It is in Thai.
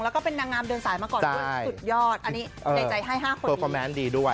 แล้วก็เป็นนางงามเดินสายมาก่อนสุดยอดอันนี้ใจใจให้๕คนดี